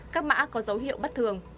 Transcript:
các mã có dấu hiệu bất thường